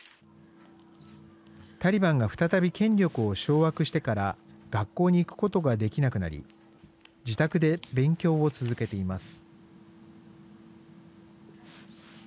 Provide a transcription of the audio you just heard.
タリバンが再び権力を掌握してから学校に行くことができなくなり自宅で勉強を続けています。